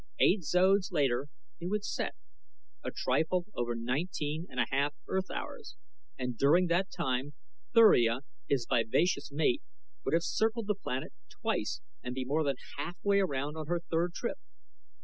Eight zodes later he would set a trifle over nineteen and a half Earth hours and during that time Thuria, his vivacious mate, would have circled the planet twice and be more than half way around on her third trip.